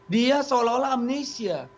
dia seolah olah amnesia